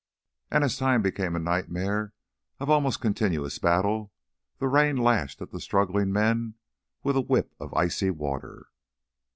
And as time became a nightmare of almost continuous battle, the rain lashed at the struggling men with a whip of icy water.